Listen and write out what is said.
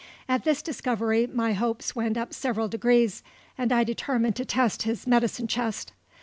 At this discovery my hopes went up several degrees, and I determined to test his medicine chest.